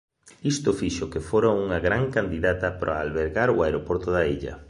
Isto fixo que fora unha gran candidata para albergar o aeroporto da illa.